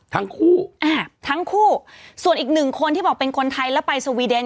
ทั้งคู่อ่าทั้งคู่ส่วนอีกหนึ่งคนที่บอกเป็นคนไทยแล้วไปสวีเดน